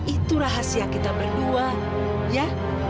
itu rahasia kita berdua ya